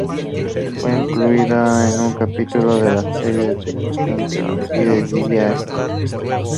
Fue incluida en un capítulo de la serie de televisión "The Vampire Diaries".